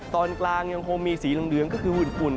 ตอนกลางยังคงมีสีเหลืองก็คืออุ่น